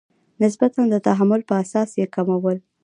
نسبتا د تحمل په اساس یې کمول.